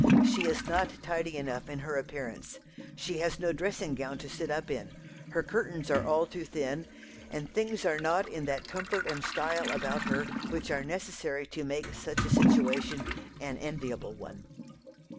She is not tidy enough in her appearance; she has no dressing gown to sit up in; her curtains are all too thin, and things are not in that comfort and style about her which are necessary to make such a situation an enviable one."